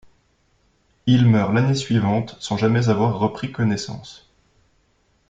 Il meurt l'année suivante sans jamais avoir repris connaissance.